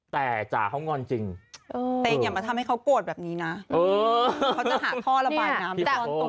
แต่จ๋าเขางอนจริงแต่อย่ามาทำให้เขาโกรธแบบนี้นะเขาจะหาท่อระบายน้ำ